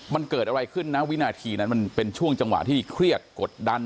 มันเกิดอะไรขึ้นนะวินาทีนั้นมันเป็นช่วงจังหวะที่เครียดกดดัน